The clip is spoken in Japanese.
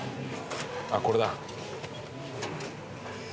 あっこれだ。